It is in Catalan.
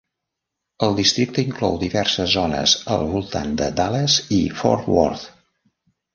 El districte inclou diverses zones al voltant de Dallas i Fort Worth.